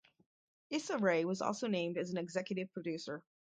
Issa Rae was also named as an executive producer.